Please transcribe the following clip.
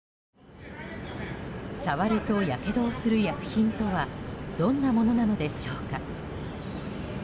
触るとやけどをする薬品とはどんなものなのでしょうか。